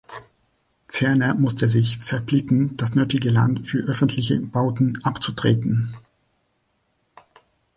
Ferner musste sie sich verpflichten, das nötige Land für öffentliche Bauten abzutreten.